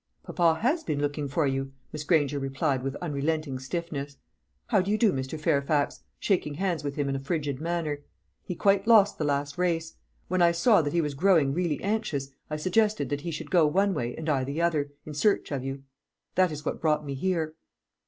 "Papa has been looking for you," Miss Granger replied, with unrelenting stiffness. "How do you do, Mr. Fairfax?" shaking hands with him in a frigid manner. "He quite lost the last race. When I saw that he was growing really anxious, I suggested that he should go one way, and I the other, in search of you. That is what brought me here."